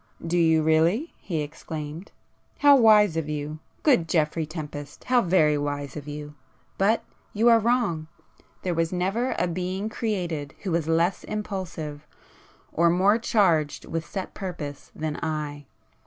"Do you really!" he exclaimed—"How wise of you!—good Geoffrey Tempest, how very wise of you! But you are wrong. There never was a being created who was less impulsive, or more charged with set purpose than I.